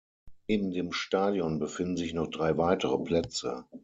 Neben dem Stadion befinden sich noch drei weitere Plätze.